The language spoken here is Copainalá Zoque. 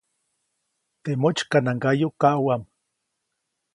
Teʼ motsykanaŋgayu kaʼuʼam.